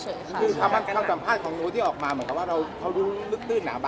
คือคำสัมภาษณ์ของโน๊ตที่ออกมาเหมือนแบบว่าเขารู้ลึกจึ้งหนักบัน